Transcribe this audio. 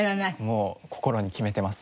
もう心に決めてます